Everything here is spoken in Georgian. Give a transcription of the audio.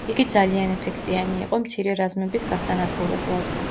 იგი ძალიან ეფექტიანი იყო მცირე რაზმების გასანადგურებლად.